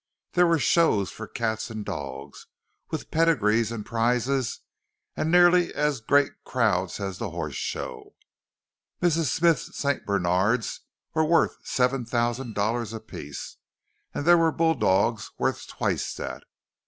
There were shows for cats and dogs, with pedigrees and prizes, and nearly as great crowds as the Horse Show; Mrs. Smythe's St. Bernards were worth seven thousand dollars apiece, and there were bull dogs worth twice that.